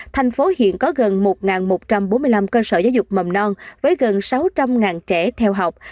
thành phố hiện có gần một một trăm bốn mươi năm cơ sở giáo dục mầm non với gần sáu trăm linh trẻ theo học